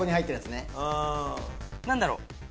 何だろう